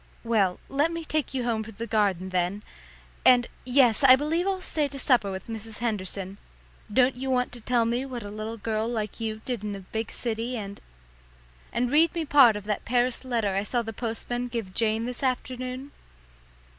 "Well, let me take you home through the garden then and, yes, I believe I'll stay to supper with Mrs. Henderson. Don't you want to tell me what a little girl like you did in a big city, and and read me part of that Paris letter I saw the postman give Jane this afternoon?"